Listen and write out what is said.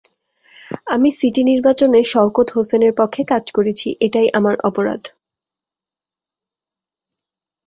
আমি সিটি নির্বাচনে শওকত হোসেনের পক্ষে কাজ করেছি, এটাই আমার অপরাধ।